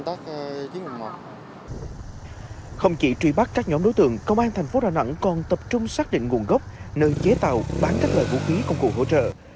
trong đối tượng công an tp đà nẵng còn tập trung xác định nguồn gốc nơi chế tạo bán các loại vũ khí công cụ hỗ trợ